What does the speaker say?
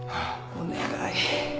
お願い。